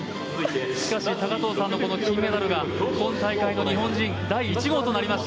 しかし高藤さんの金メダルが日本人の金メダル第１号となりました。